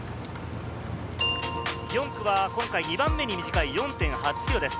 ４区は今回、２番目に短い４．８ｋｍです。